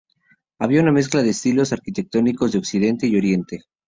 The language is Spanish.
Había una mezcla de estilos arquitectónicos de Occidente y Oriente.